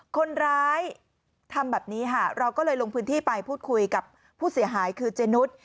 คนร้ายทำแบบนี้ค่ะเราก็เลยลงพื้นที่ไปพูดคุยกับผู้เสียหายคือเจนุส